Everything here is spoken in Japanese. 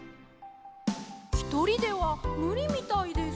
ひとりではむりみたいです。